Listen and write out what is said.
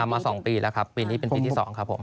ทำมาสองปีแล้วครับปีนี้เป็นปีที่สองครับผม